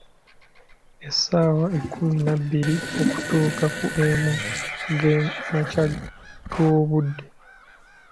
Essaawa ekkumi nabbiri.okutuuka ku emu ge makya g'obudde.